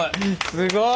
すごい！